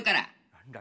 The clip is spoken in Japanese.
・何だ？